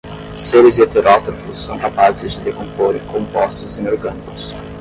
Seres heterótrofos são capazes de decompor compostos inorgânicos